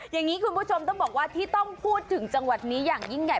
อย่างนี้คุณผู้ชมต้องบอกว่าที่ต้องพูดถึงจังหวัดนี้อย่างยิ่งใหญ่